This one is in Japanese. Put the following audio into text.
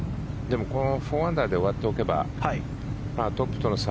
４アンダーで終わっておけばトップとの差